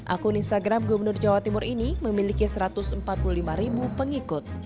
akun instagram gubernur jawa timur ini memiliki satu ratus empat puluh lima ribu pengikut